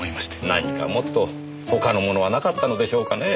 何かもっと他のものはなかったのでしょうかねえ。